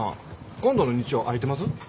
今度の日曜空いてます？